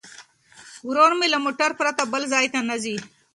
ورور مې له موټر پرته بل ځای ته نه ځي.